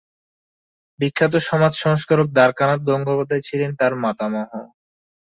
বিখ্যাত সমাজ সংস্কারক দ্বারকানাথ গঙ্গোপাধ্যায় ছিলেন তার মাতামহ।